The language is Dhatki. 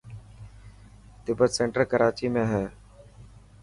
تبت سينٽر ڪراچي ۾ هي.